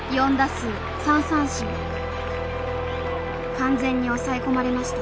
完全に抑え込まれました。